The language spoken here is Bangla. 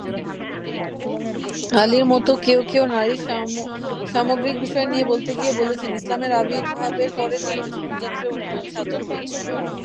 আলির মত কেও কেও নারীর সামগ্রিক বিষয় নিয়ে বলতে গিয়ে বলেছেন, ইসলামের আবির্ভাবের পরে নারীর জীবনযাত্রায় উন্নয়ন সাধন হয়েছে।